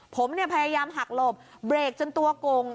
ผมเนี่ยพยายามหักหลบเบรกจนตัวกง